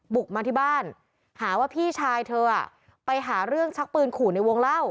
บุกมาที่บ้านหาว่าพี่ชายเธอไปหาเรื่องชักปืนขู่ในวงเล่า